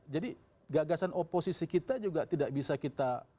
gagasan oposisi kita juga tidak bisa kita